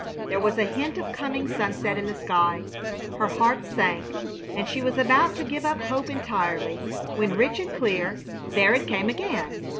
There was a hint of coming sunset in the sky. Her heart sank, and she was about to give up hope entirely, when, rich and clear, there it came again!